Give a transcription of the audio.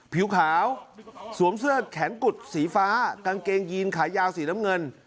ผิวขาวสวมเสื้อแขนกุดสีฟ้ากางเกงยีนขายาวสีน้ำเงิน